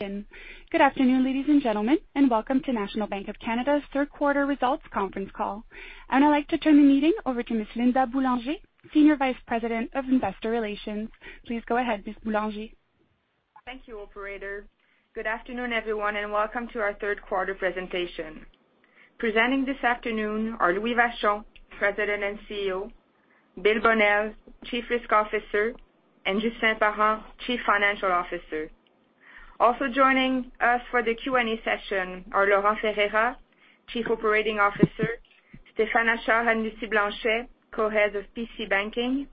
Good afternoon, ladies and gentlemen, and welcome to National Bank of Canada's Third Quarter Results Conference Call. I'd like to turn the meeting over to Ms. Linda Boulanger, Senior Vice President of Investor Relations. Please go ahead, Ms. Boulanger. Thank you, operator. Good afternoon, everyone, and welcome to our third quarter presentation. Presenting this afternoon are Louis Vachon, President and Chief Executive Officer, Bill Bonnell, Chief Risk Officer, and Ghislain Parent, Chief Financial Officer. Also joining us for the Q&A session are Laurent Ferreira, Chief Operating Officer, Stéphane Achard and Lucie Blanchet, Co-Heads of P&C Banking,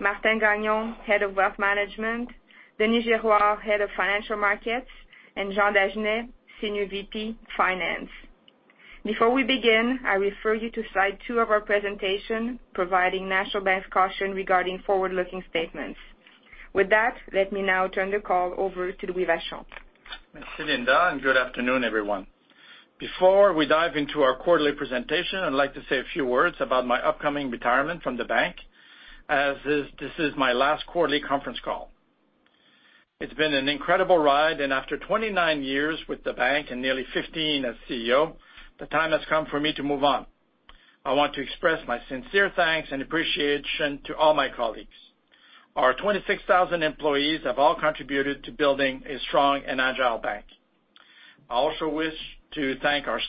Martin Gagnon, Head of Wealth Management, Denis Girouard, Head of Financial Markets, and Jean Dagenais, Senior Vice President, Finance. Before we begin, I refer you to slide two of our presentation, providing National Bank's caution regarding forward-looking statements. With that, let me now turn the call over to Louis Vachon. Thanks, Linda, and good afternoon, everyone. Before we dive into our quarterly presentation, I'd like to say a few words about my upcoming retirement from the bank, as this is my last quarterly conference call. It's been an incredible ride, and after 29 years with the bank and nearly 15 as Chief Executive Officer, the time has come for me to move on. I want to express my sincere thanks and appreciation to all my colleagues. Our 26,000 employees have all contributed to building a strong and agile bank. I also wish to thank our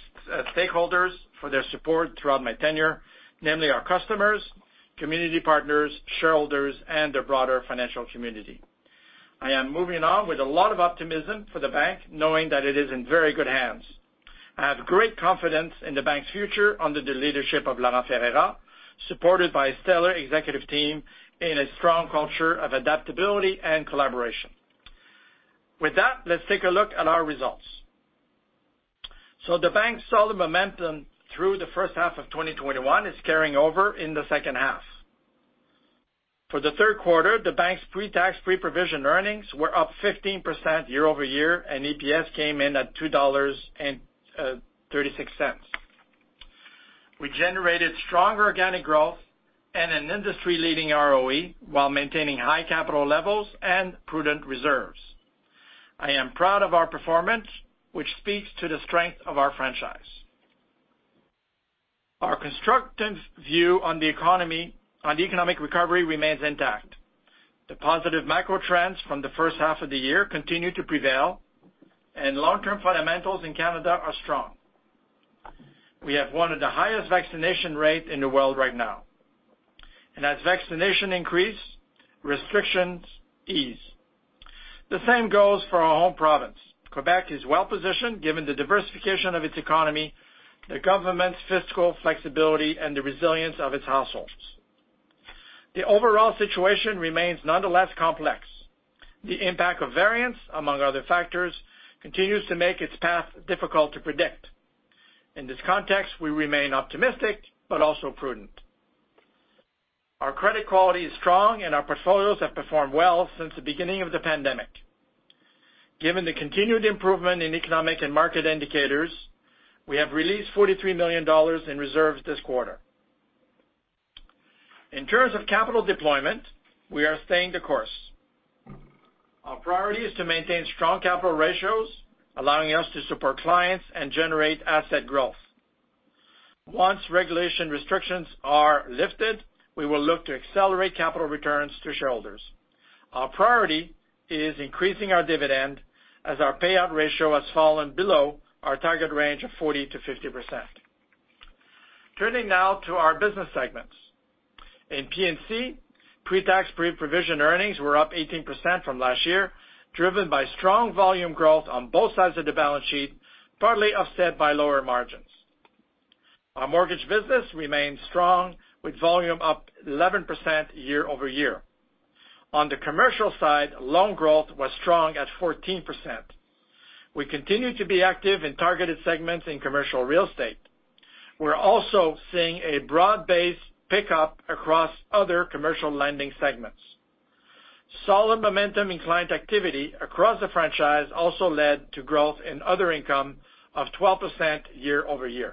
stakeholders for their support throughout my tenure, namely our customers, community partners, shareholders, and the broader financial community. I am moving on with a lot of optimism for the bank, knowing that it is in very good hands. I have great confidence in the bank's future under the leadership of Laurent Ferreira, supported by a stellar executive team in a strong culture of adaptability and collaboration. Let's take a look at our results. The bank's solid momentum through the first half of 2021 is carrying over in the second half. For the third quarter, the bank's pre-tax, pre-provision earnings were up 15% YoY, and EPS came in at 2.36 dollars. We generated stronger organic growth and an industry-leading ROE while maintaining high capital levels and prudent reserves. I am proud of our performance, which speaks to the strength of our franchise. Our constructive view on the economic recovery remains intact. The positive macro trends from the first half of the year continue to prevail, and long-term fundamentals in Canada are strong. We have one of the highest vaccination rates in the world right now. As vaccination increase, restrictions ease. The same goes for our home province. Quebec is well-positioned given the diversification of its economy, the government's fiscal flexibility, and the resilience of its households. The overall situation remains nonetheless complex. The impact of variants, among other factors, continues to make its path difficult to predict. In this context, we remain optimistic but also prudent. Our credit quality is strong, and our portfolios have performed well since the beginning of the pandemic. Given the continued improvement in economic and market indicators, we have released 43 million dollars in reserves this quarter. In terms of capital deployment, we are staying the course. Our priority is to maintain strong capital ratios, allowing us to support clients and generate asset growth. Once regulation restrictions are lifted, we will look to accelerate capital returns to shareholders. Our priority is increasing our dividend as our payout ratio has fallen below our target range of 40%-50%. Turning now to our business segments. In P&C, pre-tax, pre-provision earnings were up 18% from last year, driven by strong volume growth on both sides of the balance sheet, partly offset by lower margins. Our mortgage business remains strong, with volume up 11% YoY. On the commercial side, loan growth was strong at 14%. We continue to be active in targeted segments in commercial real estate. We're also seeing a broad-based pickup across other commercial lending segments. Solid momentum in client activity across the franchise also led to growth in other income of 12% YoY.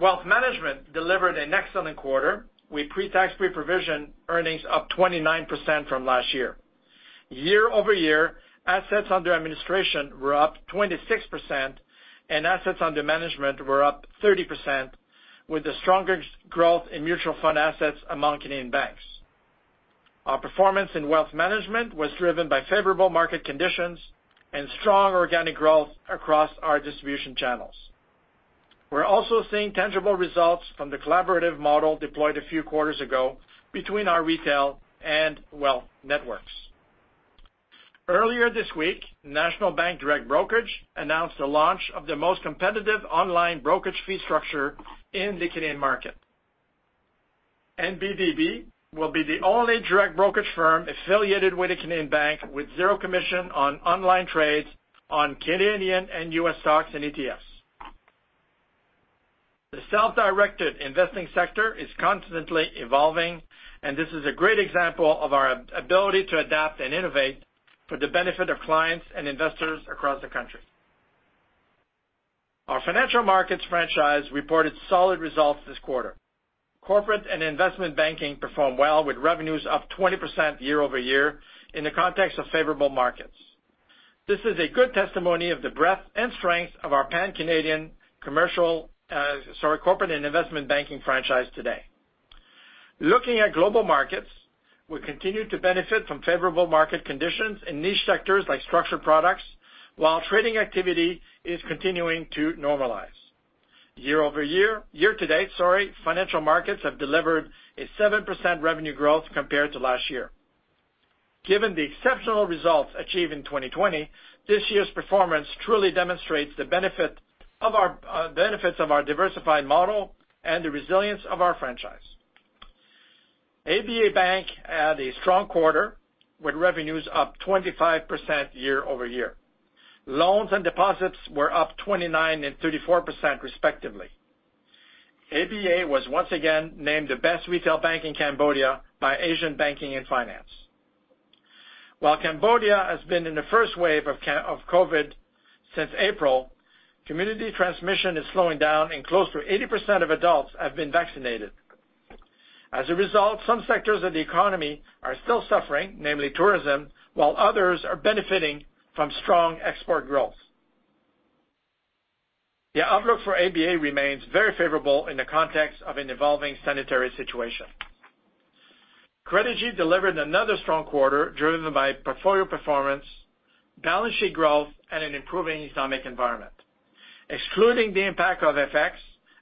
Wealth Management delivered an excellent quarter, with pre-tax, pre-provision earnings up 29% from last year. YoY, assets under administration were up 26%, and assets under management were up 30%, with the strongest growth in mutual fund assets among Canadian banks. Our performance in Wealth Management was driven by favorable market conditions and strong organic growth across our distribution channels. We're also seeing tangible results from the collaborative model deployed a few quarters ago between our retail and wealth networks. Earlier this week, National Bank Direct Brokerage announced the launch of the most competitive online brokerage fee structure in the Canadian market. NBDB will be the only direct brokerage firm affiliated with a Canadian bank with zero commission on online trades on Canadian and U.S. stocks and ETFs. The self-directed investing sector is constantly evolving. This is a great example of our ability to adapt and innovate for the benefit of clients and investors across the country. Our Financial Markets franchise reported solid results this quarter. Corporate and investment banking performed well with revenues up 20% YoY in the context of favorable markets. This is a good testimony of the breadth and strength of our pan-Canadian corporate and investment banking franchise today. Looking at global markets, we continue to benefit from favorable market conditions in niche sectors like structured products, while trading activity is continuing to normalize. Year-to-date, Financial Markets have delivered a 7% revenue growth compared to last year. Given the exceptional results achieved in 2020, this year's performance truly demonstrates the benefits of our diversified model and the resilience of our franchise. ABA Bank had a strong quarter, with revenues up 25% YoY. Loans and deposits were up 29% and 34% respectively. ABA was once again named the best retail bank in Cambodia by Asian Banking and Finance. While Cambodia has been in the first wave of COVID since April, community transmission is slowing down and close to 80% of adults have been vaccinated. As a result, some sectors of the economy are still suffering, namely tourism, while others are benefiting from strong export growth. The outlook for ABA remains very favorable in the context of an evolving sanitary situation. Credigy delivered another strong quarter, driven by portfolio performance, balance sheet growth, and an improving economic environment. Excluding the impact of FX,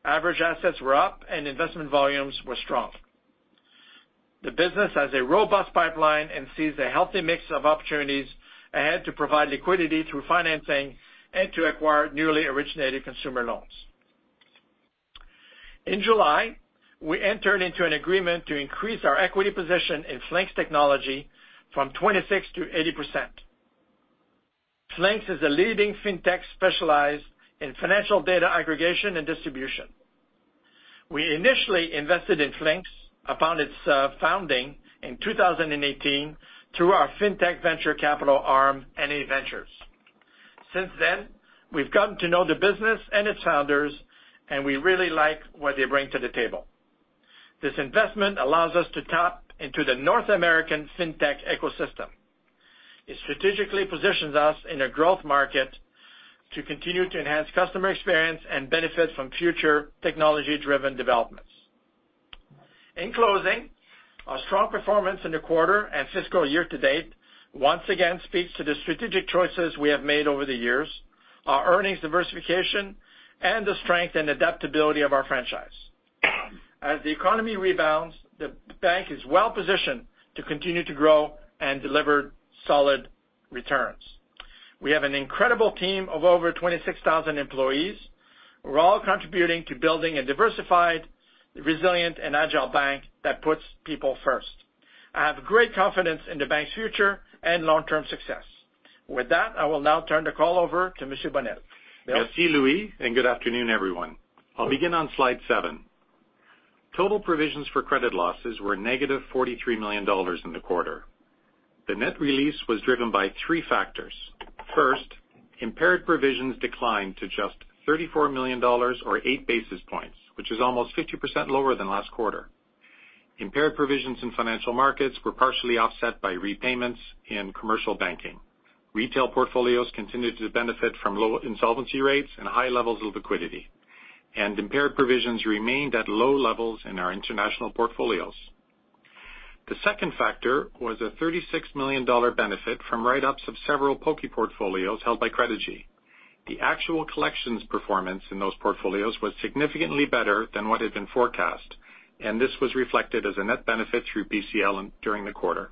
average assets were up, and investment volumes were strong. The business has a robust pipeline and sees a healthy mix of opportunities ahead to provide liquidity through financing and to acquire newly originated consumer loans. In July, we entered into an agreement to increase our equity position in Flinks Technology from 26%-80%. Flinks is a leading fintech specialized in financial data aggregation and distribution. We initially invested in Flinks upon its founding in 2018 through our fintech venture capital arm, NAventures. Since then, we've gotten to know the business and its founders, and we really like what they bring to the table. This investment allows us to tap into the North American fintech ecosystem. It strategically positions us in a growth market to continue to enhance customer experience and benefit from future technology-driven developments. In closing, our strong performance in the quarter and fiscal year-to-date once again speaks to the strategic choices we have made over the years, our earnings diversification, and the strength and adaptability of our franchise. As the economy rebounds, the bank is well-positioned to continue to grow and deliver solid returns. We have an incredible team of over 26,000 employees. We're all contributing to building a diversified, resilient, and agile bank that puts people first. I have great confidence in the bank's future and long-term success. With that, I will now turn the call over to Mr. Bonnell. Thank you Louis, and good afternoon, everyone. I'll begin on slide seven. Total provisions for credit losses were -43 million dollars in the quarter. The net release was driven by three factors. First, impaired provisions declined to just 34 million dollars, or 8 basis points, which is almost 50% lower than last quarter. Impaired provisions in Financial Markets were partially offset by repayments in Commercial Banking. Retail portfolios continued to benefit from low insolvency rates and high levels of liquidity, and impaired provisions remained at low levels in our international portfolios. The second factor was a 36 million dollar benefit from write-ups of several POCI portfolios held by Credigy. The actual collections performance in those portfolios was significantly better than what had been forecast, and this was reflected as a net benefit through PCL during the quarter.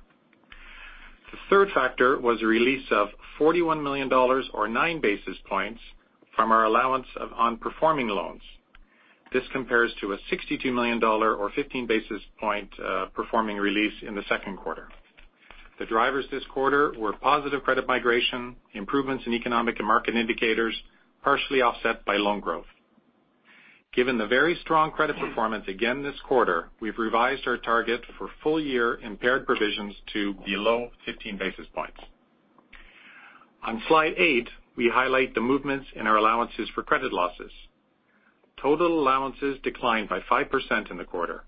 The third factor was a release of 41 million dollars, or 9 basis points, from our allowance of non-performing loans. This compares to a 62 million dollar or 15 basis point performing release in the second quarter. The drivers this quarter were positive credit migration, improvements in economic and market indicators, partially offset by loan growth. Given the very strong credit performance again this quarter, we've revised our target for full-year impaired provisions to below 15 basis points. On slide eight, we highlight the movements in our allowances for credit losses. Total allowances declined by 5% in the quarter.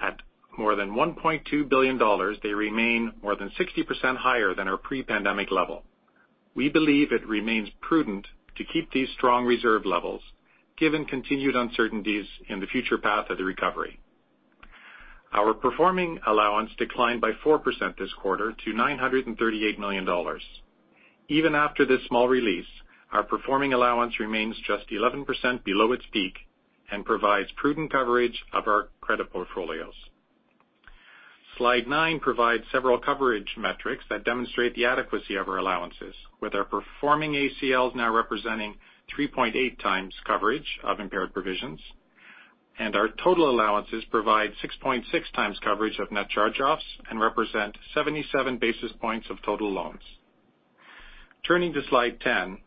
At more than 1.2 billion dollars, they remain more than 60% higher than our pre-pandemic level. We believe it remains prudent to keep these strong reserve levels given continued uncertainties in the future path of the recovery. Our performing allowance declined by 4% this quarter to 938 million dollars. Even after this small release, our performing allowance remains just 11% below its peak and provides prudent coverage of our credit portfolios. Slide nine provides several coverage metrics that demonstrate the adequacy of our allowances. With our performing ACLs now representing 3.8 times coverage of impaired provisions, and our total allowances provide 6.6 times coverage of net charge-offs and represent 77 basis points of total loans. Turning to slide 10,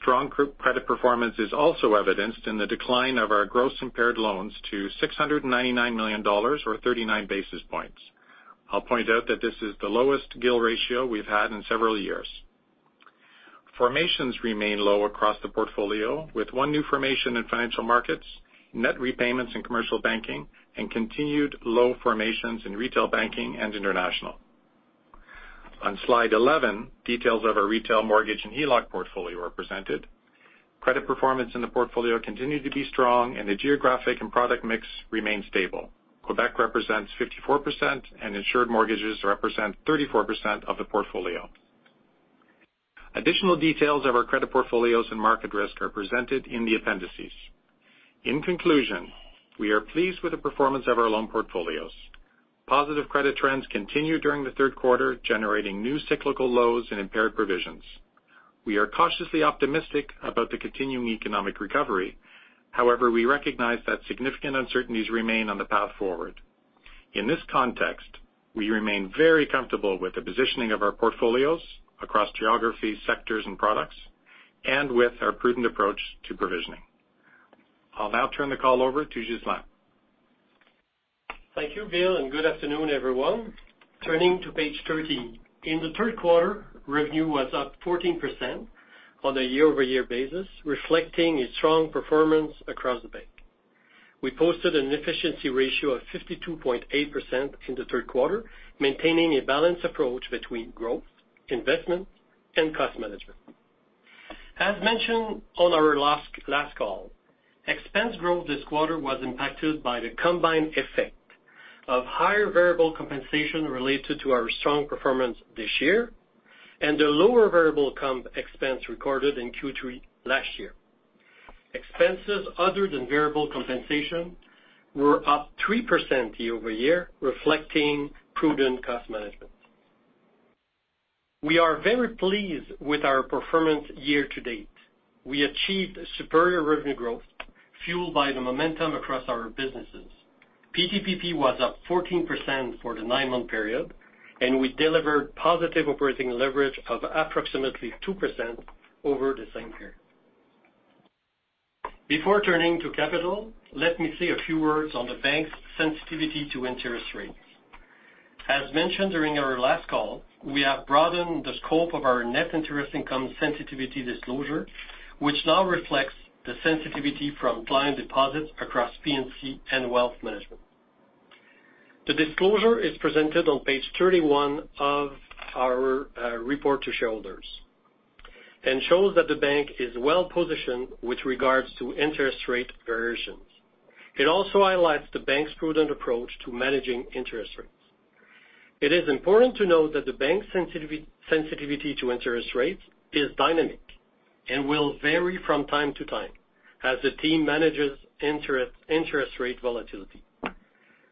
strong credit performance is also evidenced in the decline of our gross impaired loans to 699 million dollars, or 39 basis points. I'll point out that this is the lowest GIL ratio we've had in several years. Formations remain low across the portfolio, with one new formation in Financial Markets, net repayments in commercial banking, and continued low formations in retail banking and international. On slide 11, details of our retail mortgage and HELOC portfolio are presented. Credit performance in the portfolio continued to be strong, and the geographic and product mix remained stable. Quebec represents 54%, and insured mortgages represent 34% of the portfolio. Additional details of our credit portfolios and market risk are presented in the appendices. In conclusion, we are pleased with the performance of our loan portfolios. Positive credit trends continued during the third quarter, generating new cyclical lows in impaired provisions. We are cautiously optimistic about the continuing economic recovery. However, we recognize that significant uncertainties remain on the path forward. In this context, we remain very comfortable with the positioning of our portfolios across geographies, sectors, and products, and with our prudent approach to provisioning. I'll now turn the call over to Ghislain. Thank you, Bill, and good afternoon, everyone. Turning to page 13. In the third quarter, revenue was up 14% on a YoY, reflecting a strong performance across the bank. We posted an efficiency ratio of 52.8% in the third quarter, maintaining a balanced approach between growth, investment, and cost management. As mentioned on our last call, expense growth this quarter was impacted by the combined effect of higher variable compensation related to our strong performance this year and the lower variable comp expense recorded in Q3 last year. Expenses other than variable compensation were up 3% YoY, reflecting prudent cost management. We are very pleased with our performance year-to-date. We achieved superior revenue growth fueled by the momentum across our businesses. PTPP was up 14% for the nine-month period, and we delivered positive operating leverage of approximately 2% over the same period. Before turning to capital, let me say a few words on the bank's sensitivity to interest rates. As mentioned during our last call, we have broadened the scope of our net interest income sensitivity disclosure, which now reflects the sensitivity from client deposits across P&C and Wealth Management. The disclosure is presented on page 31 of our report to shareholders and shows that the bank is well-positioned with regards to interest rate variations. It also highlights the bank's prudent approach to managing interest rates. It is important to note that the bank's sensitivity to interest rates is dynamic and will vary from time to time as the team manages interest rate volatility.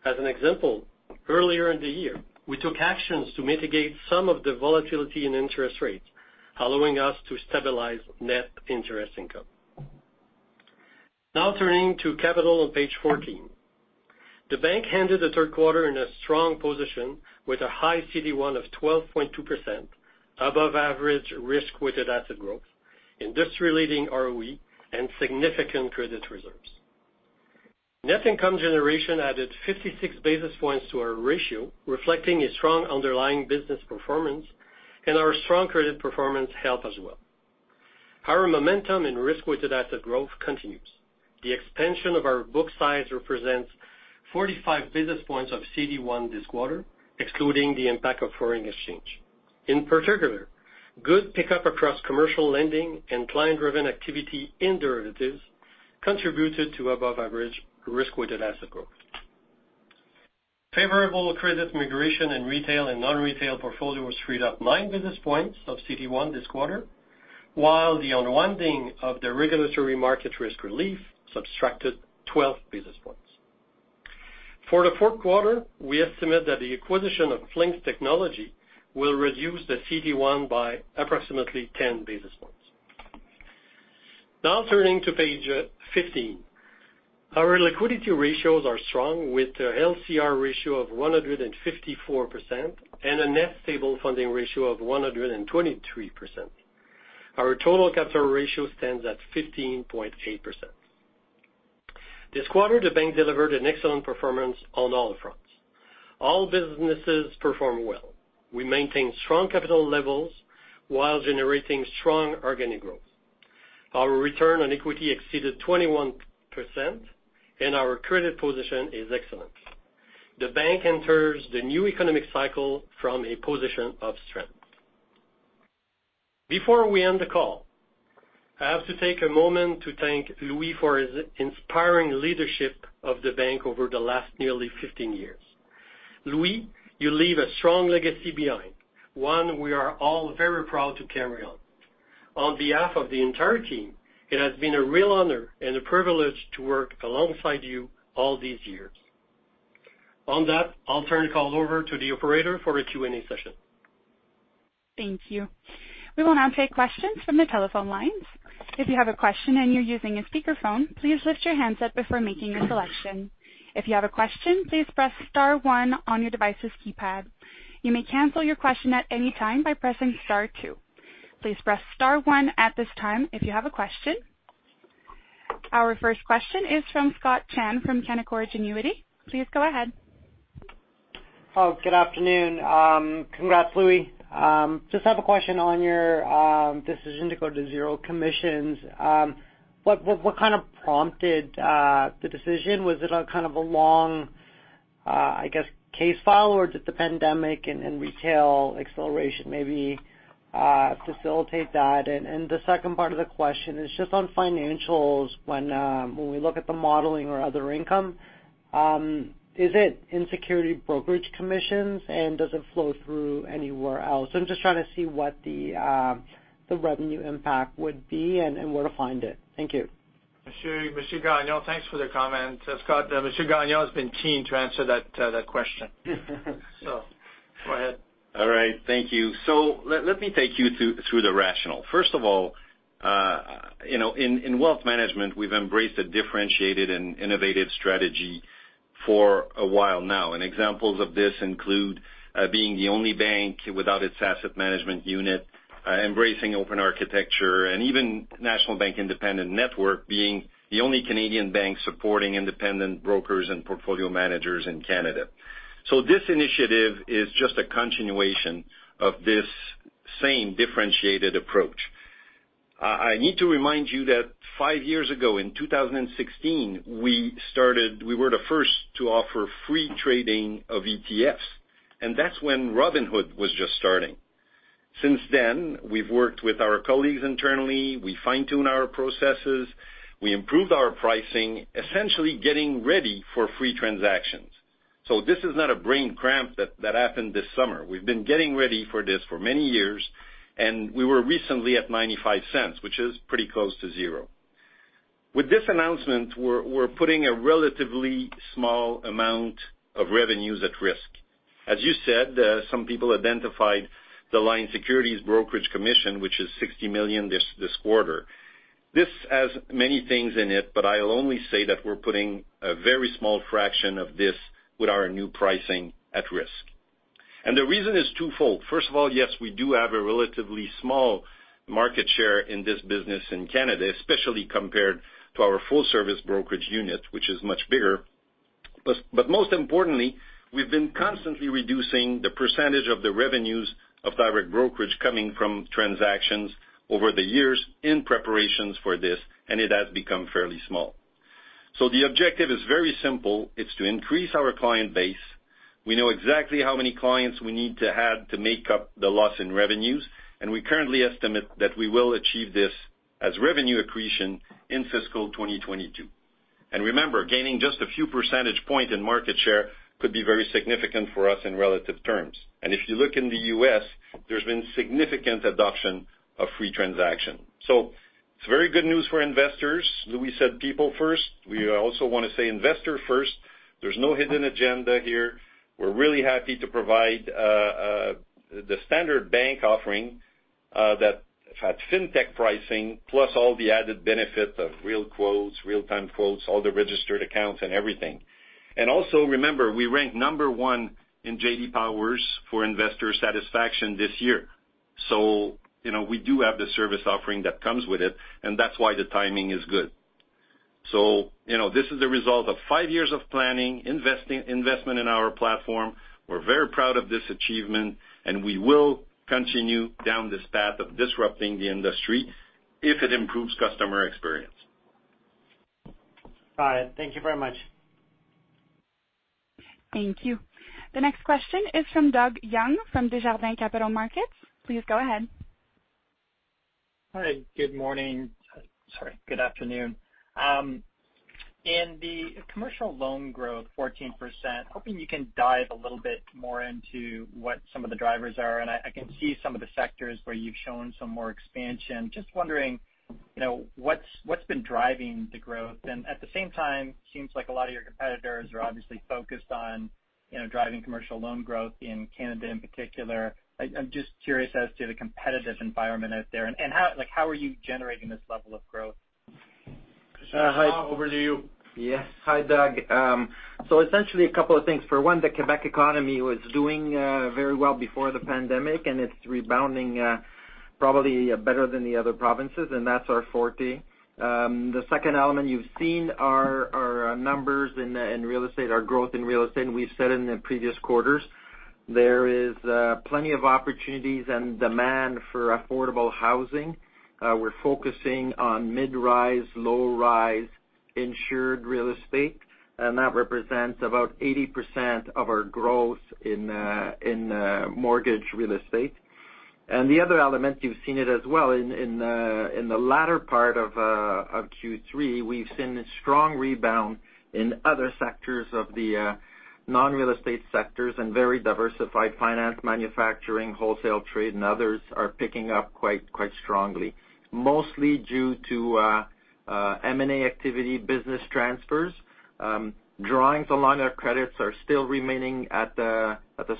As an example, earlier in the year, we took actions to mitigate some of the volatility in interest rates, allowing us to stabilize net interest income. Now turning to capital on page 14. The bank ended the third quarter in a strong position with a high CET1 of 12.2%, above average risk-weighted asset growth, industry-leading ROE, and significant credit reserves. Net income generation added 56 basis points to our ratio, reflecting a strong underlying business performance, and our strong credit performance helped as well. Our momentum in risk-weighted asset growth continues. The expansion of our book size represents 45 basis points of CET1 this quarter, excluding the impact of foreign exchange. In particular, good pickup across commercial lending and client-driven activity in derivatives contributed to above-average risk-weighted asset growth. Favorable credit migration in retail and non-retail portfolios freed up 9 basis points of CET1 this quarter, while the unwinding of the regulatory market risk relief subtracted 12 basis points. For the fourth quarter, we estimate that the acquisition of Flinks Technology will reduce the CET1 by approximately 10 basis points. Now turning to page 15. Our liquidity ratios are strong, with an LCR ratio of 154% and a net stable funding ratio of 123%. Our total capital ratio stands at 15.8%. This quarter, the bank delivered an excellent performance on all fronts. All businesses performed well. We maintained strong capital levels while generating strong organic growth. Our return on equity exceeded 21%, and our credit position is excellent. The bank enters the new economic cycle from a position of strength. Before we end the call, I have to take a moment to thank Louis for his inspiring leadership of the bank over the last nearly 15 years. Louis, you leave a strong legacy behind, one we are all very proud to carry on. On behalf of the entire team, it has been a real honor and a privilege to work alongside you all these years. On that, I'll turn the call over to the operator for a Q&A session. Thank you. We will now take questions from the telephone lines. If you have a question and you're using a speakerphone, please lift your hand before making a selection. If you have a question plesae press star one on your device's keypad. You may cancel your question at any time by pressing star two. Please press star one if you have a question. Our first question is from Scott Chan from Canaccord Genuity. Please go ahead. Good afternoon. Congrats, Louis. I just have a question on your decision to go to zero commissions. What kind of prompted the decision? Was it a kind of a long, I guess, case file, or did the pandemic and retail acceleration maybe facilitate that? The second part of the question is just on financials. When we look at the modeling or other income, is it in security brokerage commissions, and does it flow through anywhere else? I'm just trying to see what the revenue impact would be and where to find it. Thank you. I appreciate it, thanks for the comment. Scott Chan, Martin Gagnon has been keen to answer that question. Go ahead. All right. Thank you. Let me take you through the rationale. First of all, in Wealth Management, we've embraced a differentiated and innovative strategy for a while now. Examples of this include being the only bank without its asset management unit, embracing open architecture, and even National Bank Independent Network being the only Canadian bank supporting independent brokers and portfolio managers in Canada. This initiative is just a continuation of this same differentiated approach. I need to remind you that five years ago, in 2016, we were the first to offer free trading of ETFs. That's when Robinhood was just starting. Since then, we've worked with our colleagues internally. We fine-tuned our processes. We improved our pricing, essentially getting ready for free transactions. This is not a brain cramp that happened this summer. We've been getting ready for this for many years, and we were recently at 0.95, which is pretty close to zero. With this announcement, we're putting a relatively small amount of revenues at risk. As you said, some people identified the line securities brokerage commission, which is 60 million this quarter. This has many things in it, but I'll only say that we're putting a very small fraction of this with our new pricing at risk. The reason is twofold. First of all, yes, we do have a relatively small market share in this business in Canada, especially compared to our full-service brokerage unit, which is much bigger. Most importantly, we've been constantly reducing the percentage of the revenues of direct brokerage coming from transactions over the years in preparations for this, and it has become fairly small. The objective is very simple. It's to increase our client base. We know exactly how many clients we need to add to make up the loss in revenues, and we currently estimate that we will achieve this as revenue accretion in fiscal 2022. Remember, gaining just a few percentage points in market share could be very significant for us in relative terms. If you look in the U.S., there's been significant adoption of free transaction. It's very good news for investors. Louis said people first. We also want to say investor first. There's no hidden agenda here. We're really happy to provide the standard bank offering that fintech pricing plus all the added benefit of real quotes, real-time quotes, all the registered accounts and everything. Also remember, we ranked number one in J.D. Power for investor satisfaction this year. We do have the service offering that comes with it, and that's why the timing is good. This is the result of five years of planning, investment in our platform. We're very proud of this achievement, and we will continue down this path of disrupting the industry if it improves customer experience. All right. Thank you very much. Thank you. The next question is from Doug Young from Desjardins Capital Markets. Please go ahead. Hi. Good morning. Sorry. Good afternoon. In the commercial loan growth, 14%, hoping you can dive a little bit more into what some of the drivers are. I can see some of the sectors where you've shown some more expansion. Just wondering what's been driving the growth. At the same time, seems like a lot of your competitors are obviously focused on driving commercial loan growth in Canada, in particular. I'm just curious as to the competitive environment out there, and how are you generating this level of growth? Stéphane, over to you. Yes. Hi, Doug. Essentially a couple of things. For one, the Quebec economy was doing very well before the pandemic, and it's rebounding probably better than the other provinces, and that's our forte. The second element, you've seen our numbers in real estate, our growth in real estate, and we've said in the previous quarters. There is plenty of opportunities and demand for affordable housing. We're focusing on mid-rise, low-rise, insured real estate, and that represents about 80% of our growth in mortgage real estate. The other element, you've seen it as well in the latter part of Q3, we've seen a strong rebound in other sectors of the non-real estate sectors and very diversified finance, manufacturing, wholesale trade, and others are picking up quite strongly. Mostly due to M&A activity, business transfers. Drawings on line of credits are still remaining at the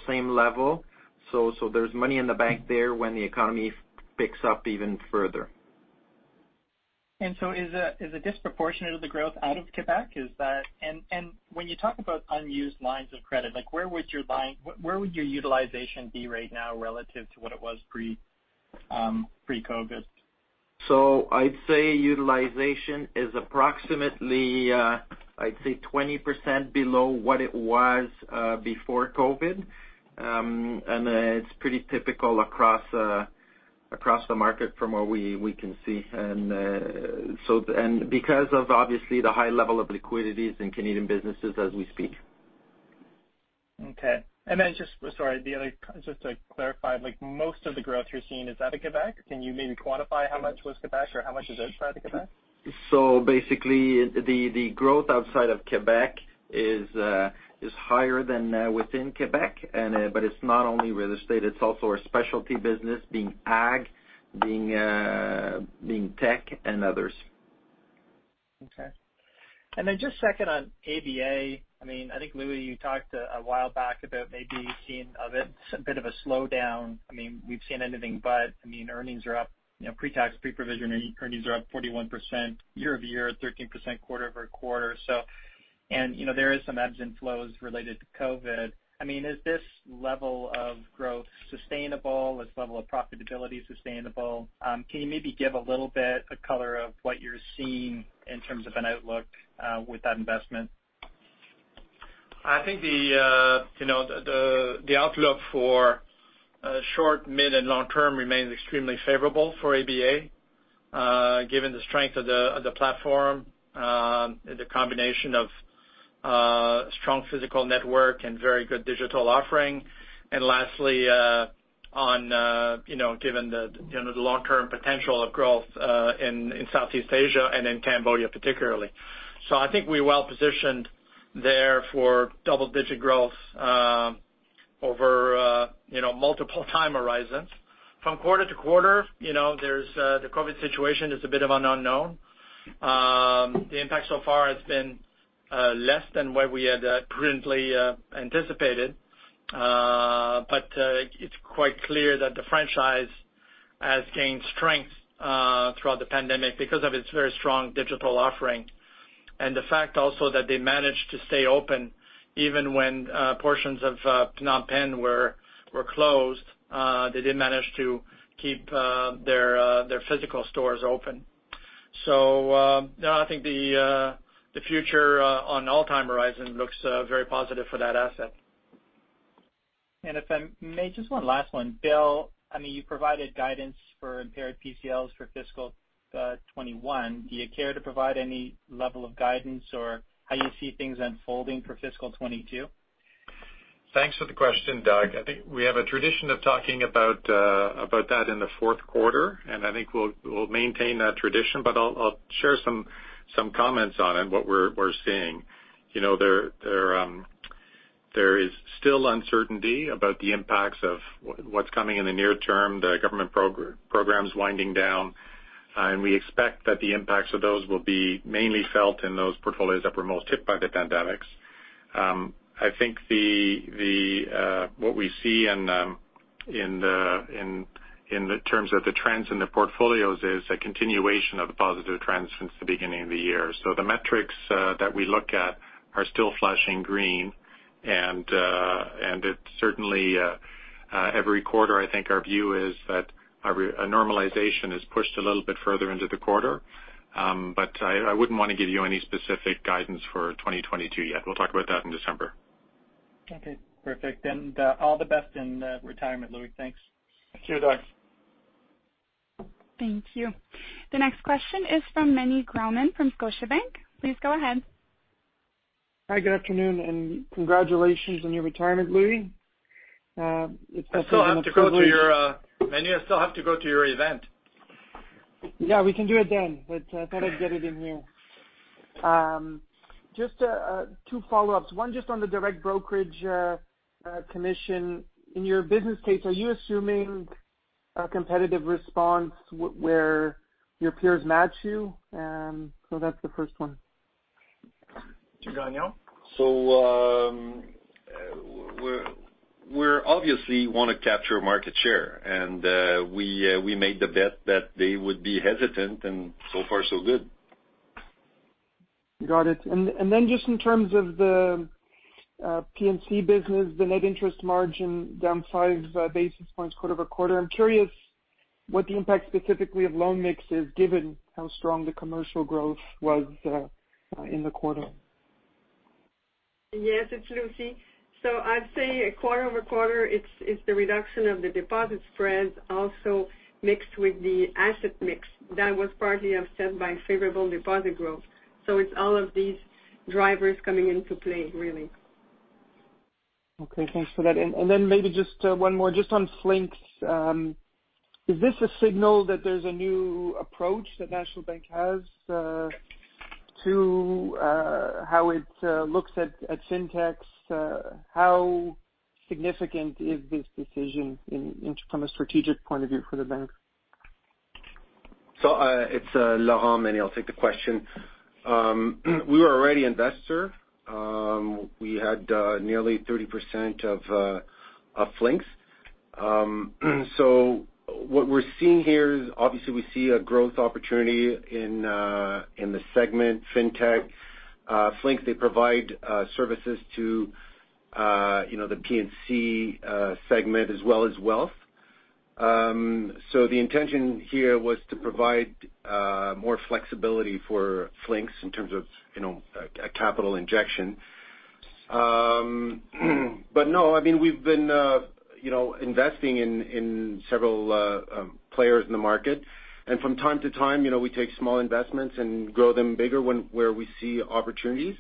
same level. There's money in the bank there when the economy picks up even further. Is it disproportionate of the growth out of Quebec? When you talk about unused lines of credit, where would your utilization be right now relative to what it was pre-COVID? I'd say utilization is approximately, I'd say 20% below what it was before COVID. It's pretty typical across the market from what we can see. Because of, obviously, the high level of liquidities in Canadian businesses as we speak. Okay. Just, sorry, the other, just to clarify, most of the growth you're seeing, is that in Quebec? Can you maybe quantify how much was Quebec or how much is outside of Quebec? Basically, the growth outside of Quebec is higher than within Quebec. It's not only real estate, it's also our specialty business being ag, being tech, and others. Okay. Just second on ABA. I think, Louis, you talked a while back about maybe seeing a bit of a slowdown. We've seen anything but. Earnings are up, pre-tax, pre-provision earnings are up 41% YoY, 13% QoQ. There is some ebbs and flows related to COVID. Is this level of growth sustainable? Is the level of profitability sustainable? Can you maybe give a little bit of color of what you're seeing in terms of an outlook with that investment? I think the outlook for short, mid, and long-term remains extremely favorable for ABA, given the strength of the platform, the combination of strong physical network and very good digital offering. Lastly, given the long-term potential of growth in Southeast Asia and in Cambodia particularly. I think we're well-positioned there for double-digit growth over multiple time horizons. From quarter-to-quarter, the COVID situation is a bit of an unknown. The impact so far has been less than what we had currently anticipated. It's quite clear that the franchise has gained strength throughout the pandemic because of its very strong digital offering. The fact also that they managed to stay open even when portions of Phnom Penh were closed. They did manage to keep their physical stores open. I think the future on all time horizon looks very positive for that asset. If I may, just one last one. Bill, you provided guidance for impaired PCLs for fiscal 2021. Do you care to provide any level of guidance or how you see things unfolding for fiscal 2022? Thanks for the question, Doug. I think we have a tradition of talking about that in the fourth quarter. I think we'll maintain that tradition. I'll share some comments on it, what we're seeing. There is still uncertainty about the impacts of what's coming in the near term, the government programs winding down. We expect that the impacts of those will be mainly felt in those portfolios that were most hit by the pandemic. I think what we see in the terms of the trends in the portfolios is a continuation of the positive trends since the beginning of the year. The metrics that we look at are still flashing green. Certainly every quarter, I think our view is that a normalization is pushed a little bit further into the quarter. I wouldn't want to give you any specific guidance for 2022 yet. We'll talk about that in December. Okay, perfect. All the best in retirement, Louis. Thanks. Thank you, Doug. Thank you. The next question is from Meny Grauman from Scotiabank. Please go ahead. Hi, good afternoon, and congratulations on your retirement, Louis. Meny, I still have to go to your event. Yeah, we can do it then. I thought I'd get it in here. Just two follow-ups. One just on the direct brokerage commission. In your business case, are you assuming a competitive response where your peers match you? That's the first one. To Gagnon. We obviously want to capture market share, and we made the bet that they would be hesitant, and so far so good. Got it. Just in terms of the P&C business, the net interest margin down 5 basis points QoQ. I'm curious what the impact specifically of loan mix is given how strong the commercial growth was in the quarter. Yes, it's Lucie. I'd say QoQ, it's the reduction of the deposit spread, also mixed with the asset mix that was partly offset by favorable deposit growth. It's all of these drivers coming into play, really. Okay, thanks for that. Maybe just one more just on Flinks. Is this a signal that there's a new approach that National Bank has to how it looks at fintechs? How significant is this decision from a strategic point of view for the bank? It's Laurent, Meny. I'll take the question. We were already investors. We had nearly 30% of Flinks. What we're seeing here is obviously we see a growth opportunity in the segment fintech. Flinks, they provide services to. The P&C segment as well as wealth. The intention here was to provide more flexibility for Flinks in terms of a capital injection. No, we've been investing in several players in the market, and from time to time, we take small investments and grow them bigger where we see opportunities.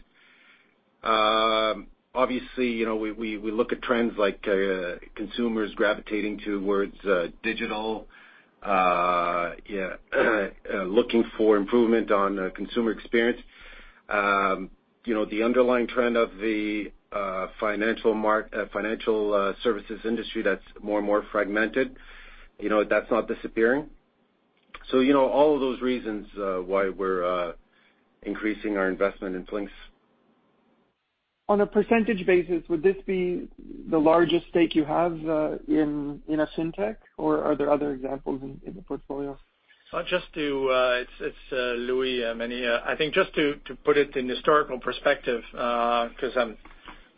Obviously, we look at trends like consumers gravitating towards digital, looking for improvement on consumer experience. The underlying trend of the financial services industry that's more and more fragmented, that's not disappearing. All of those reasons why we're increasing our investment in Flinks. On a percentage basis, would this be the largest stake you have in a fintech, or are there other examples in the portfolio? It's Louis, Meny. I think just to put it in historical perspective because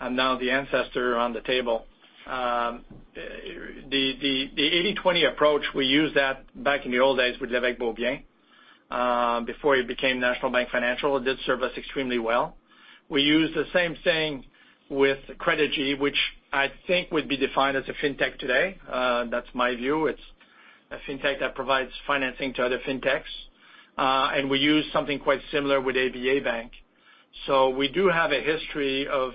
I'm now the ancestor on the table. The 80/20 approach, we used that back in the old days with Beaubien before it became National Bank Financial. It did serve us extremely well. We used the same thing with Credigy, which I think would be defined as a fintech today. That's my view. It's a fintech that provides financing to other fintechs. We use something quite similar with ABA Bank. We do have a history of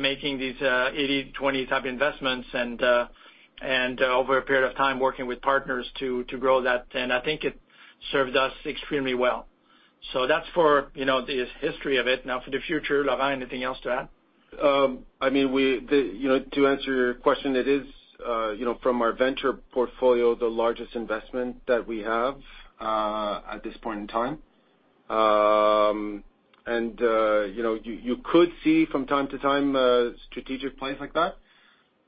making these 80/20 type investments and over a period of time working with partners to grow that. I think it served us extremely well. That's for the history of it. Now for the future, Laurent, anything else to add? To answer your question, it is from our venture portfolio, the largest investment that we have at this point in time. You could see from time to time a strategic play like that.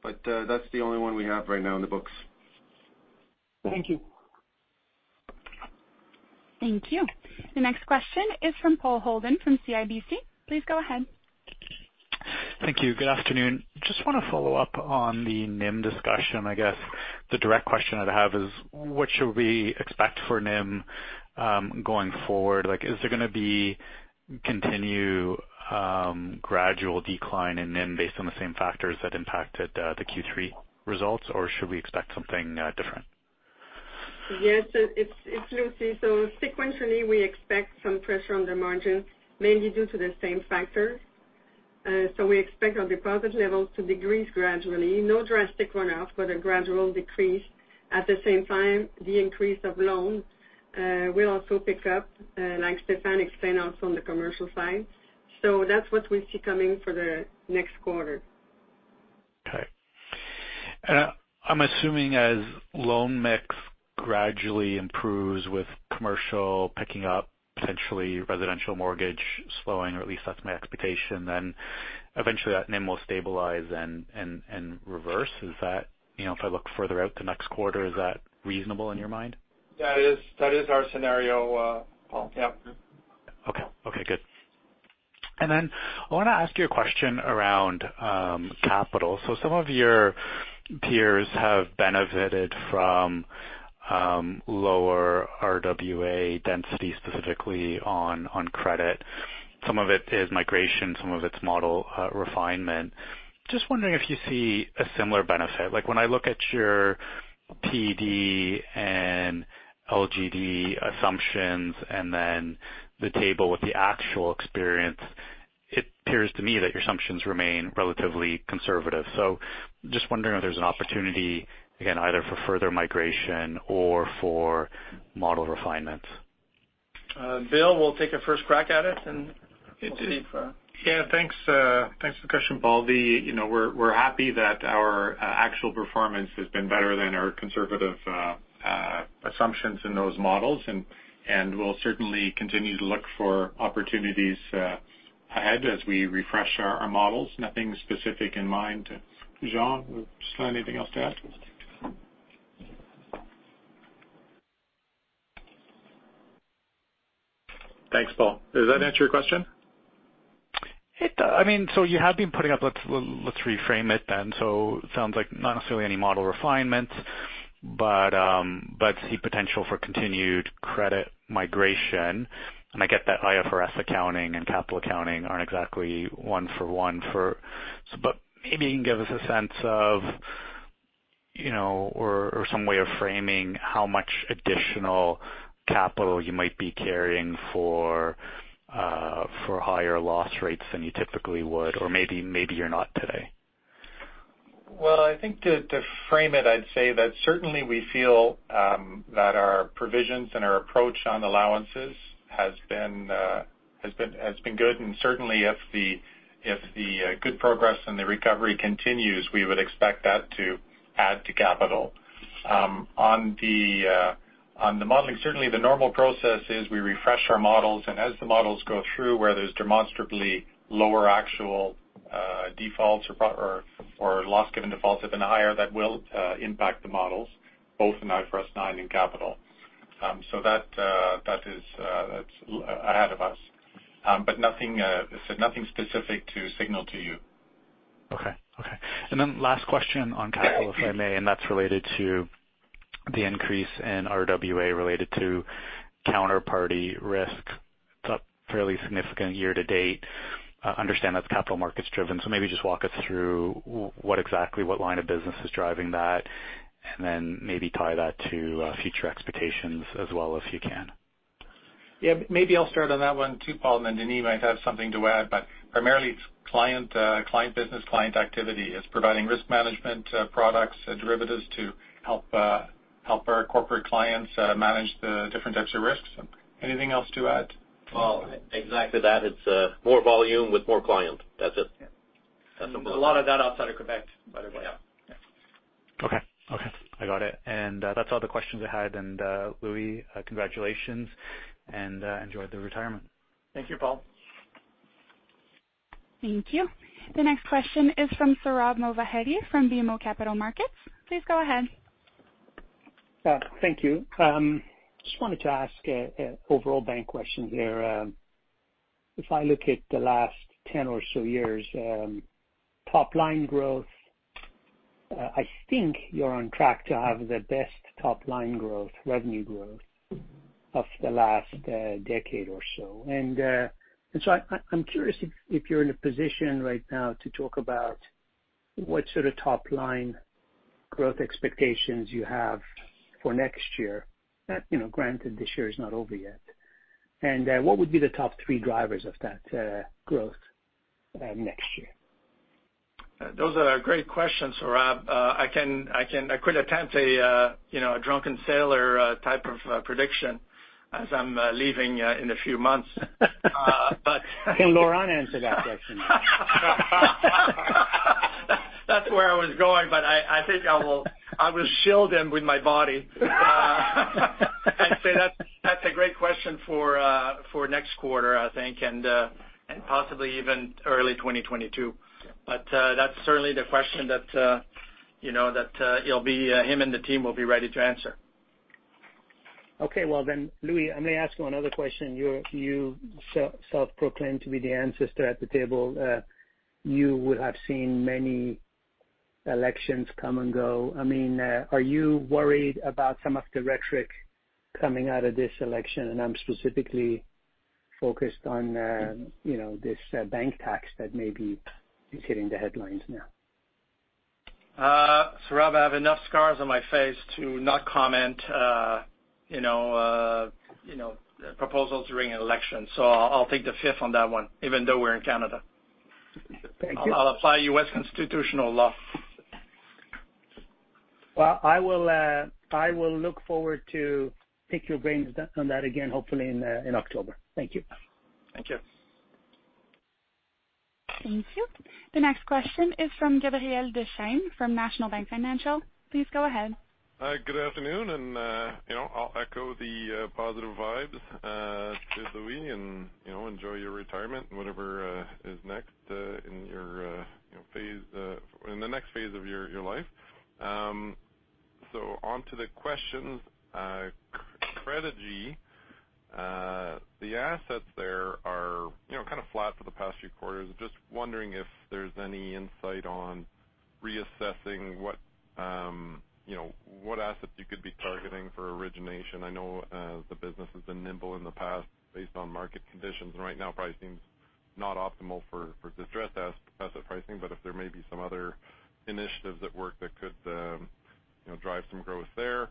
That's the only one we have right now in the books. Thank you. Thank you. The next question is from Paul Holden from CIBC. Please go ahead. Thank you. Good afternoon. Just want to follow up on the NIM discussion. I guess the direct question that I have is what should we expect for NIM going forward? Is there going to be continued gradual decline in NIM based on the same factors that impacted the Q3 results, or should we expect something different? Yes, it's Lucie. Sequentially, we expect some pressure on the margins, mainly due to the same factors. We expect our deposit levels to decrease gradually. No drastic runoff, but a gradual decrease. At the same time, the increase of loans will also pick up, like Stéphane explained also on the commercial side. That's what we see coming for the next quarter. Okay. I'm assuming as loan mix gradually improves with commercial picking up, potentially residential mortgage slowing, or at least that's my expectation, then eventually that NIM will stabilize and reverse. If I look further out to next quarter, is that reasonable in your mind? That is our scenario, Paul. Yep. Okay, good. I want to ask you a question around capital. Some of your peers have benefited from lower RWA density, specifically on credit. Some of it is migration, some of it's model refinement. I am just wondering if you see a similar benefit. When I look at your PD and LGD assumptions and then the table with the actual experience, it appears to me that your assumptions remain relatively conservative. I am just wondering if there's an opportunity, again, either for further migration or for model refinement. Bill will take a first crack at it, and we'll see. Yeah. Thanks for the question, Paul. We're happy that our actual performance has been better than our conservative assumptions in those models, and we'll certainly continue to look for opportunities ahead as we refresh our models. Nothing specific in mind. Jean or Steph, anything else to add? Thanks, Paul. Does that answer your question? It does. Let's reframe it then. Sounds like not necessarily any model refinements, but see potential for continued credit migration. I get that IFRS accounting and capital accounting aren't exactly one for one for. Maybe you can give us a sense of or some way of framing how much additional capital you might be carrying for higher loss rates than you typically would, or maybe you're not today. I think to frame it, I'd say that certainly we feel that our provisions and our approach on allowances has been good, and certainly if the good progress and the recovery continues, we would expect that to add to capital. On the modeling, certainly the normal process is we refresh our models, and as the models go through where there's demonstrably lower actual defaults or loss given defaults have been higher, that will impact the models, both in IFRS 9 and capital. That's ahead of us. Nothing specific to signal to you. Okay. Last question on capital, if I may, and that's related to the increase in RWA related to counterparty risk. It's up fairly significant year-to-date. Understand that's capital markets driven, maybe just walk us through what exactly line of business is driving that, maybe tie that to future expectations as well if you can. Yeah. Maybe I'll start on that one too, Paul, and then Denis might have something to add, but primarily it's client business, client activity. It's providing risk management products, derivatives to help our corporate clients manage the different types of risks. Anything else to add? Exactly that. It's more volume with more client. That's it. Yeah. A lot of that outside of Quebec, by the way. Yeah. Okay. I got it. That's all the questions I had. Louis, congratulations, and enjoy the retirement. Thank you, Paul. Thank you. The next question is from Sohrab Movahedi from BMO Capital Markets. Please go ahead. Thank you. Just wanted to ask an overall bank question there. If I look at the last 10 or so years, top line growth, I think you're on track to have the best top line growth, revenue growth of the last decade or so. I'm curious if you're in a position right now to talk about what sort of top line growth expectations you have for next year, granted this year is not over yet. What would be the top three drivers of that growth next year? Those are great questions, Sohrab. I could attempt a drunken sailor type of prediction as I'm leaving in a few months. Can Laurent answer that question? That's where I was going, but I think I will shield him with my body. I'd say that's a great question for next quarter, I think, and possibly even early 2022. Yeah. That's certainly the question that him and the team will be ready to answer. Okay. Well, Louis, I may ask you another question. You self-proclaimed to be the ancestor at the table. You will have seen many elections come and go. Are you worried about some of the rhetoric coming out of this election? I'm specifically focused on this bank tax that maybe is hitting the headlines now. Sohrab, I have enough scars on my face to not comment on proposals during an election. I'll take the fifth on that one, even though we're in Canada. Thank you. I'll apply U.S. constitutional law. Well, I will look forward to pick your brains on that again, hopefully in October. Thank you. Thank you. Thank you. The next question is from Gabriel Dechaine from National Bank Financial. Please go ahead. Good afternoon. I'll echo the positive vibes to Louis, and enjoy your retirement and whatever is next in the next phase of your life. Onto the questions. Credigy, the assets there are kind of flat for the past few quarters. Just wondering if there's any insight on reassessing what assets you could be targeting for origination. I know the business has been nimble in the past based on market conditions. Right now pricing's not optimal for distressed asset pricing, if there may be some other initiatives at work that could drive some growth there.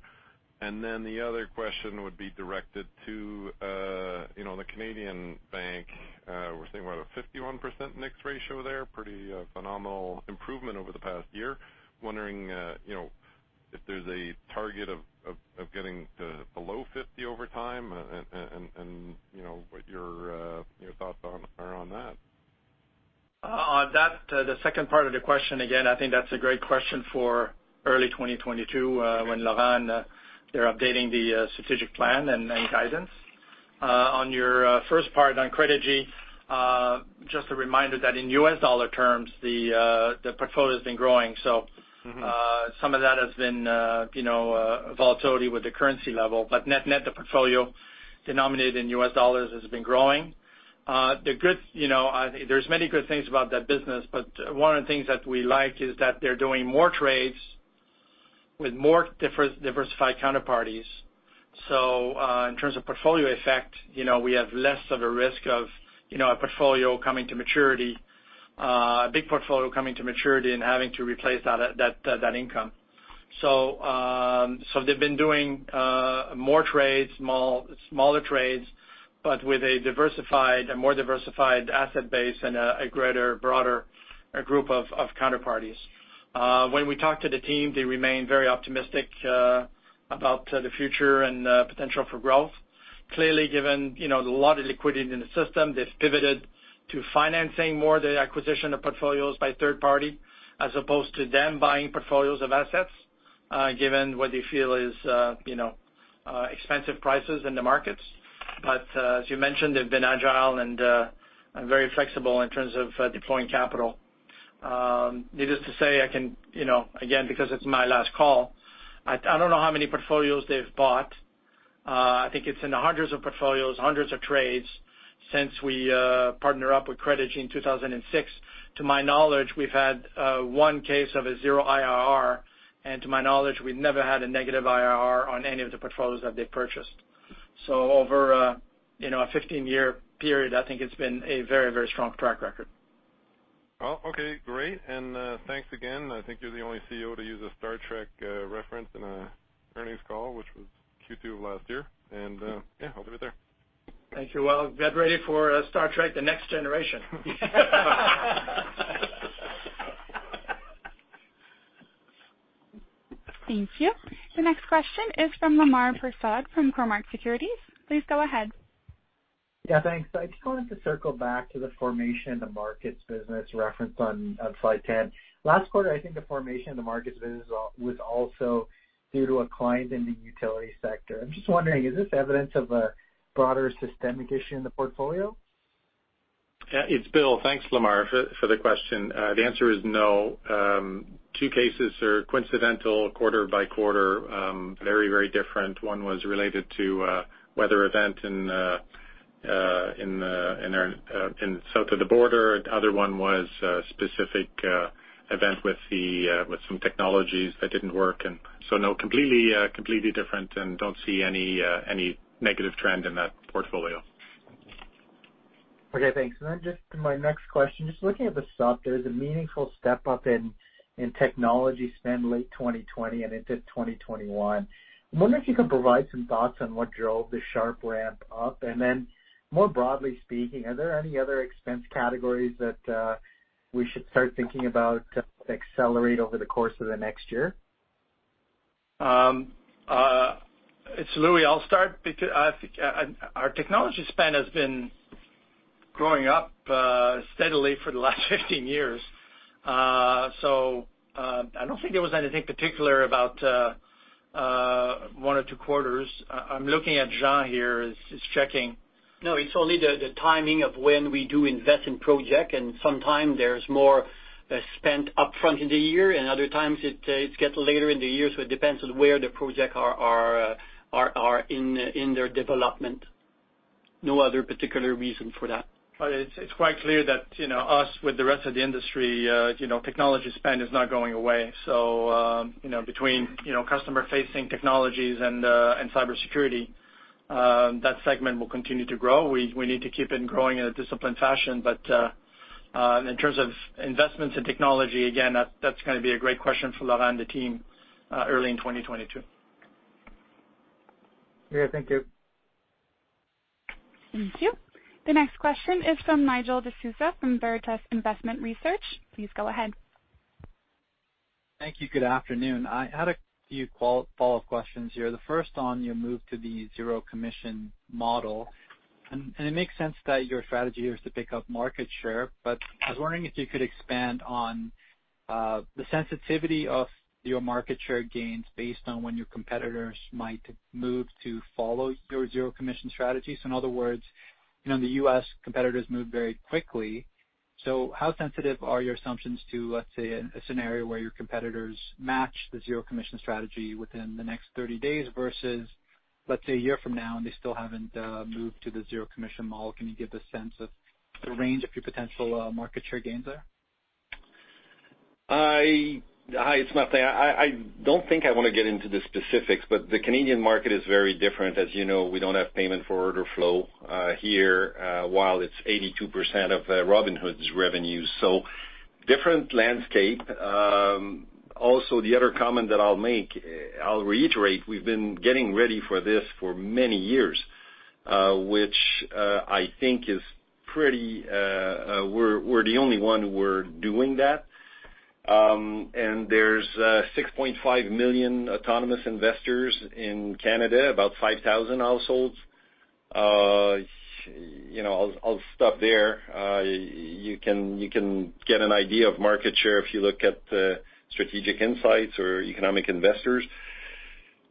The other question would be directed to the Canadian bank. We're seeing about a 51% NIX ratio there, pretty phenomenal improvement over the past year. Wondering if there's a target of getting to below 50% over time, what your thoughts are on that. On the second part of the question, again, I think that's a great question for early 2022 when Laurent, they're updating the strategic plan and guidance. On your first part on Credigy, just a reminder that in U.S. dollar terms, the portfolio's been growing. Net-net, the portfolio denominated in U.S. dollars has been growing. There's many good things about that business, but one of the things that we like is that they're doing more trades with more diversified counterparties. In terms of portfolio effect, we have less of a risk of a portfolio coming to maturity, a big portfolio coming to maturity and having to replace that income. They've been doing more trades, smaller trades, but with a more diversified asset base and a greater, broader group of counterparties. When we talk to the team, they remain very optimistic about the future and potential for growth. Clearly given the lot of liquidity in the system, they've pivoted to financing more the acquisition of portfolios by third party as opposed to them buying portfolios of assets given what they feel is expensive prices in the markets. As you mentioned, they've been agile and very flexible in terms of deploying capital Needless to say, again, because it's my last call, I don't know how many portfolios they've bought. I think it's in the hundreds of portfolios, hundreds of trades since we partnered up with Credigy in 2006. To my knowledge, we've had one case of a zero IRR, and to my knowledge, we've never had a negative IRR on any of the portfolios that they purchased. Over a 15-year period, I think it's been a very strong track record. Well, okay. Great. Thanks again. I think you're the only Chief Executive Officer to use a "Star Trek" reference in an earnings call, which was Q2 of last year. Yeah, I'll leave it there. Thank you. Well, get ready for "Star Trek: The Next Generation. Thank you. The next question is from Lemar Persaud from Cormark Securities. Please go ahead. Yeah, thanks. I just wanted to circle back to the formation of the Financial Markets business referenced on slide 10. Last quarter, I think the formation of the Financial Markets business was also due to a client in the utility sector. I'm just wondering, is this evidence of a broader systemic issue in the portfolio? It's Bill. Thanks, Lemar, for the question. The answer is no. Two cases are coincidental quarter-by-quarter, very different. One was related to a weather event in south of the border. The other one was a specific event with some technologies that didn't work. No, completely different and don't see any negative trend in that portfolio. Okay, thanks. My next question, just looking at the sub, there's a meaningful step-up in technology spend late 2020 and into 2021. I wonder if you can provide some thoughts on what drove the sharp ramp up. More broadly speaking, are there any other expense categories that we should start thinking about to accelerate over the course of the next year? It's Louis. I'll start. Our technology spend has been growing up steadily for the last 15 years. I don't think there was anything particular about one or two quarters. I'm looking at Jean here, he's checking. No, it's only the timing of when we do invest in projects. Sometimes there's more spent up front in the year. Other times it gets later in the year. It depends on where the projects are in their development. No other particular reason for that. It's quite clear that us with the rest of the industry, technology spend is not going away. Between customer-facing technologies and cybersecurity, that segment will continue to grow. We need to keep it growing in a disciplined fashion. In terms of investments in technology, again, that's going to be a great question for Laurent and the team early in 2022. Okay. Thank you. Thank you. The next question is from Nigel D'Souza from Veritas Investment Research. Please go ahead. Thank you. Good afternoon. I had a few follow-up questions here. The first on your move to the zero commission model, and it makes sense that your strategy here is to pick up market share, but I was wondering if you could expand on the sensitivity of your market share gains based on when your competitors might move to follow your zero commission strategy. In other words, the U.S. competitors moved very quickly. How sensitive are your assumptions to, let's say, a scenario where your competitors match the zero commission strategy within the next 30 days versus, let's say, a year from now, and they still haven't moved to the zero commission model. Can you give a sense of the range of your potential market share gains there? Hi, it's Martin. I don't think I want to get into the specifics. The Canadian market is very different. As you know, we don't have payment for order flow here, while it's 82% of Robinhood's revenue. Different landscape. The other comment that I'll make, I'll reiterate, we've been getting ready for this for many years, which I think we're the only one who are doing that. There's 6.5 million autonomous investors in Canada, about 5,000 households. I'll stop there. You can get an idea of market share if you look at Strategic Insights or Economic Investors.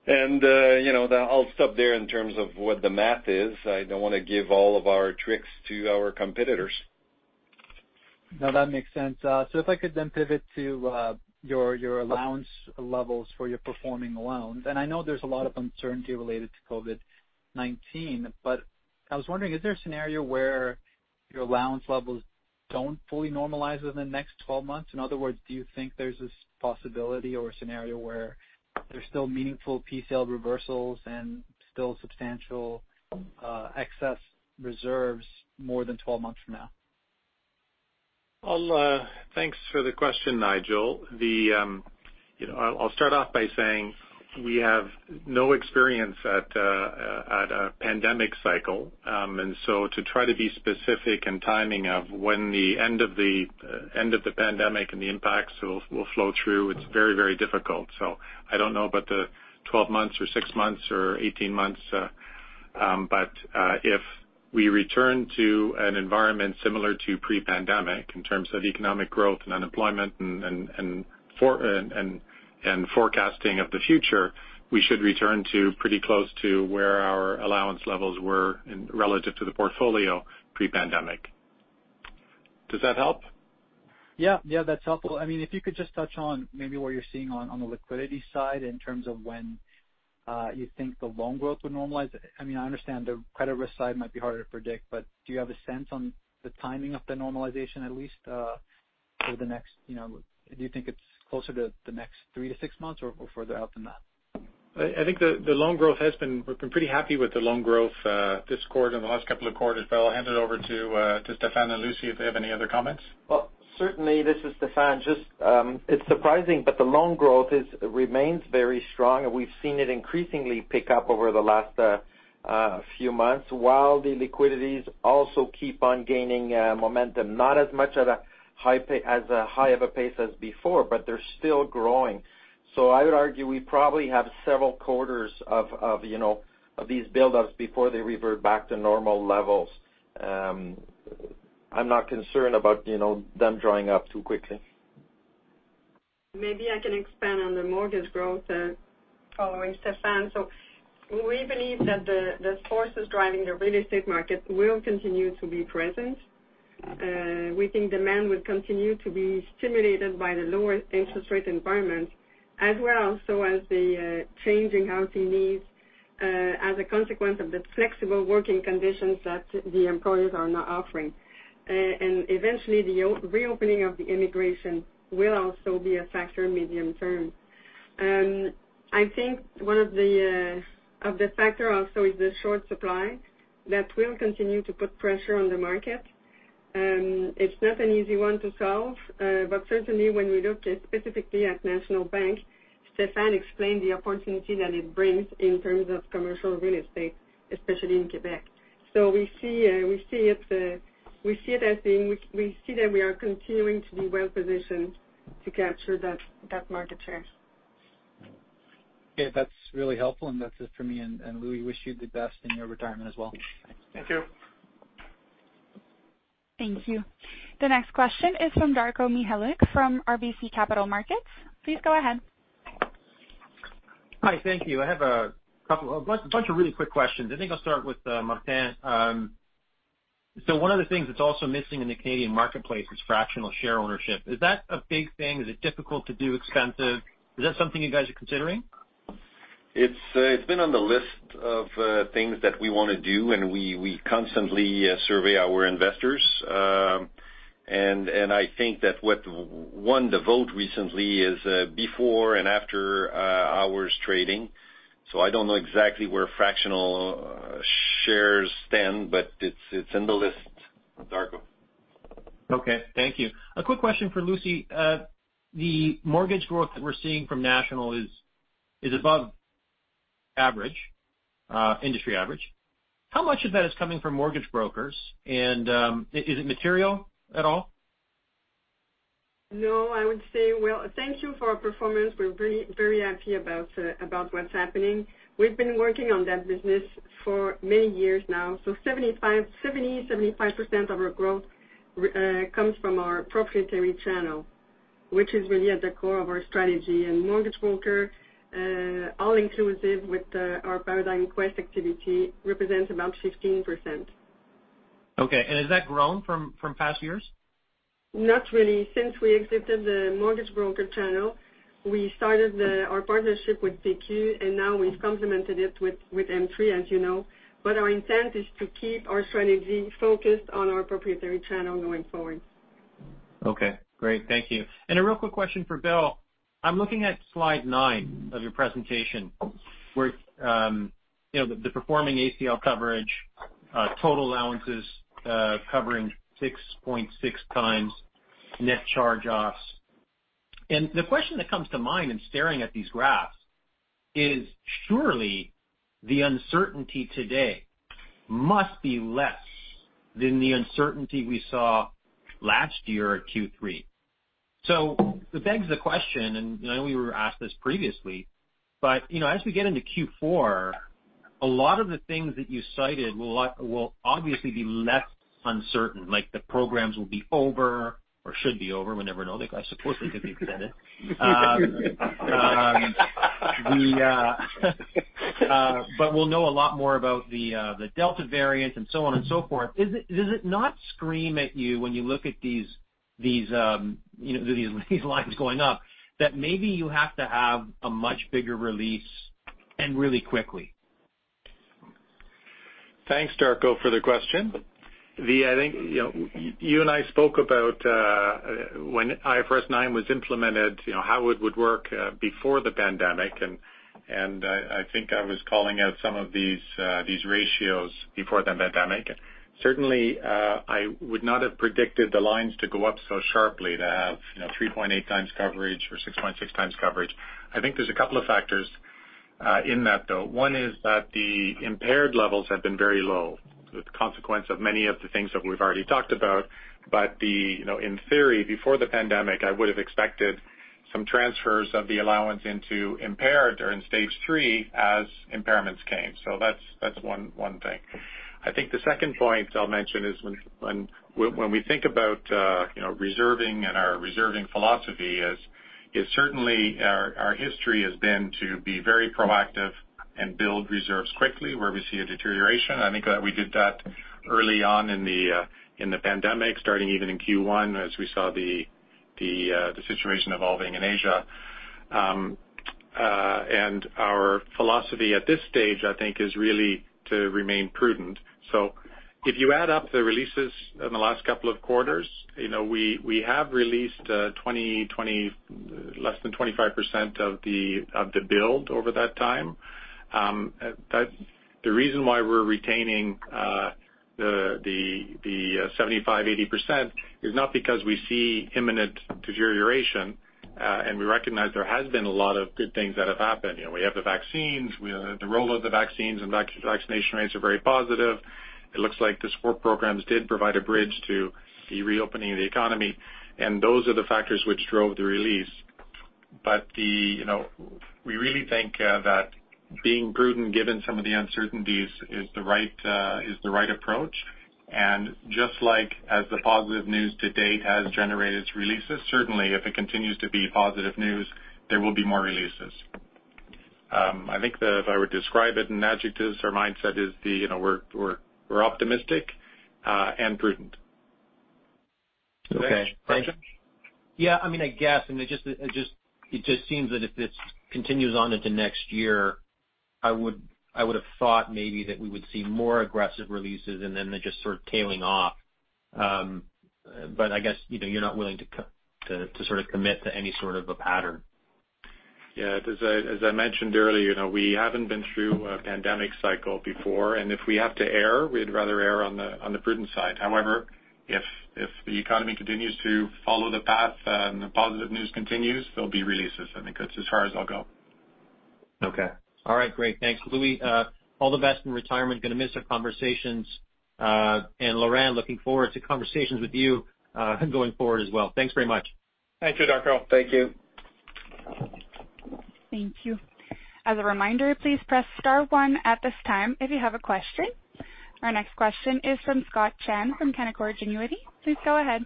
I'll stop there in terms of what the math is. I don't want to give all of our tricks to our competitors. No, that makes sense. If I could then pivot to your allowance levels for your performing loans, and I know there's a lot of uncertainty related to COVID-19, but I was wondering, is there a scenario where your allowance levels don't fully normalize within the next 12 months? In other words, do you think there's this possibility or a scenario where there's still meaningful PCL reversals and still substantial excess reserves more than 12 months from now? Thanks for the question, Nigel. I'll start off by saying we have no experience at a pandemic cycle. To try to be specific in timing of when the end of the pandemic and the impacts will flow through, it's very difficult. I don't know about the 12 months or six months or 18 months, but if we return to an environment similar to pre-pandemic in terms of economic growth and unemployment and forecasting of the future, we should return to pretty close to where our allowance levels were relative to the portfolio pre-pandemic. Does that help? Yeah, that's helpful. If you could just touch on maybe what you're seeing on the liquidity side in terms of when you think the loan growth would normalize. I understand the credit risk side might be harder to predict, do you have a sense on the timing of the normalization at least, do you think it's closer to the next three to six months or further out than that? We've been pretty happy with the loan growth this quarter and the last couple of quarters. I'll hand it over to Stéphane and Lucie if they have any other comments. Certainly, this is Stéphane. It's surprising, but the loan growth remains very strong, and we've seen it increasingly pick up over the last few months, while the liquidities also keep on gaining momentum. Not as high of a pace as before, but they're still growing. I would argue we probably have several quarters of these buildups before they revert back to normal levels. I'm not concerned about them drying up too quickly. Maybe I can expand on the mortgage growth, following Stéphane. We believe that the forces driving the real estate market will continue to be present. We think demand will continue to be stimulated by the lower interest rate environment, as well so as the changing housing needs as a consequence of the flexible working conditions that the employers are now offering. Eventually, the reopening of the immigration will also be a factor medium term. I think one of the factor also is the short supply that will continue to put pressure on the market. It's not an easy one to solve. Certainly, when we look specifically at National Bank, Stéphane explained the opportunity that it brings in terms of commercial real estate, especially in Quebec. We see that we are continuing to be well-positioned to capture that market share. Okay. That's really helpful, and that's it for me. Louis wish you the best in your retirement as well. Thank you. Thank you. The next question is from Darko Mihelic from RBC Capital Markets. Please go ahead. Hi. Thank you. I have a bunch of really quick questions. I think I'll start with Martin. One of the things that's also missing in the Canadian marketplace is fractional share ownership. Is that a big thing? Is it difficult to do, expensive? Is that something you guys are considering? It's been on the list of things that we want to do. We constantly survey our investors. I think that what won the vote recently is before and after hours trading. I don't know exactly where fractional shares stand, but it's in the list, Darko. Okay. Thank you. A quick question for Lucie. The mortgage growth that we're seeing from National is above industry average. How much of that is coming from mortgage brokers, and is it material at all? Well, thank you for our performance. We're very happy about what's happening. We've been working on that business for many years now. 70%-75% of our growth comes from our proprietary channel, which is really at the core of our strategy. Mortgage broker, all inclusive with our Paradigm Quest activity, represents about 15%. Okay. Has that grown from past years? Not really. Since we exited the mortgage broker channel, we started our partnership with PQ, and now we've complemented it with M3, as you know. Our intent is to keep our strategy focused on our proprietary channel going forward. Okay, great. Thank you. A real quick question for Bill. I'm looking at slide nine of your presentation, where the performing ACL coverage, total allowances covering 6.6 times net charge-offs. The question that comes to mind in staring at these graphs is, surely the uncertainty today must be less than the uncertainty we saw last year at Q3. It begs the question, and I know we were asked this previously, but as we get into Q4, a lot of the things that you cited will obviously be less uncertain, like the programs will be over or should be over. We never know. I suppose they could be extended. We'll know a lot more about the Delta variant and so on and so forth. Does it not scream at you when you look at these lines going up, that maybe you have to have a much bigger release and really quickly? Thanks, Darko, for the question. You and I spoke about when IFRS 9 was implemented, how it would work before the pandemic. I think I was calling out some of these ratios before the pandemic. Certainly, I would not have predicted the lines to go up so sharply to have 3.8 times coverage or 6.6 times coverage. I think there's a couple of factors in that, though. One is that the impaired levels have been very low, the consequence of many of the things that we've already talked about. In theory, before the pandemic, I would have expected some transfers of the allowance into impaired during Stage 3 as impairments came. That's one thing. I think the second point I'll mention is when we think about reserving and our reserving philosophy is. It's certainly our history has been to be very proactive and build reserves quickly where we see a deterioration. I think that we did that early on in the pandemic, starting even in Q1 as we saw the situation evolving in Asia. Our philosophy at this stage, I think, is really to remain prudent. If you add up the releases in the last couple of quarters, we have released less than 25% of the build over that time. The reason why we're retaining the 75%-80% is not because we see imminent deterioration, and we recognize there has been a lot of good things that have happened. We have the vaccines. The role of the vaccines and vaccination rates are very positive. It looks like the support programs did provide a bridge to the reopening of the economy, and those are the factors which drove the release. We really think that being prudent, given some of the uncertainties, is the right approach. Just like as the positive news to date has generated releases, certainly if it continues to be positive news, there will be more releases. I think that if I were to describe it in adjectives, our mindset is we're optimistic and prudent. Okay, thank you. Next question. Yeah. I guess, it just seems that if this continues on into next year, I would've thought maybe that we would see more aggressive releases and then they're just sort of tailing off. I guess you're not willing to commit to any sort of a pattern. Yeah. As I mentioned earlier, we haven't been through a pandemic cycle before, and if we have to err, we'd rather err on the prudent side. However, if the economy continues to follow the path and the positive news continues, there'll be releases. I think that's as far as I'll go. Okay. All right. Great. Thanks, Louis. All the best in retirement. Going to miss our conversations. Laurent, looking forward to conversations with you going forward as well. Thanks very much. Thank you, Darko Mihelic. Thank you. Thank you. As a reminder, please press star one at this time if you have a question. Our next question is from Scott Chan from Canaccord Genuity. Please go ahead.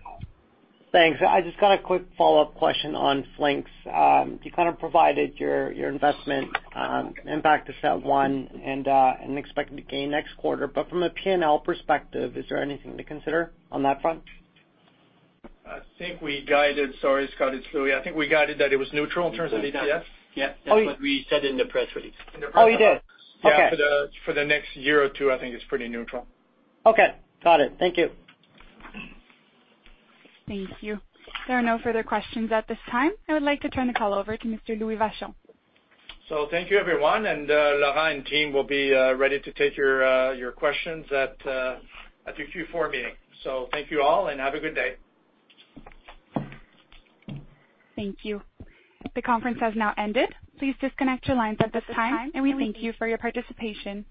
Thanks. I just got a quick follow-up question on Flinks. You kind of provided your investment impact of sale one and an expected gain next quarter. From a P&L perspective, is there anything to consider on that front? I think we guided. Sorry, Scott, it's Louis. I think we guided that it was neutral in terms of EPS. Yeah. That's what we said in the press release. Oh, you did? Okay. Yeah. For the next year or two, I think it's pretty neutral. Okay. Got it. Thank you. Thank you. There are no further questions at this time. I would like to turn the call over to Mr. Louis Vachon. Thank you, everyone, and Laurent and team will be ready to take your questions at the Q4 meeting. Thank you all, and have a good day. Thank you. The conference has now ended. Please disconnect your lines at this time, and we thank you for your participation.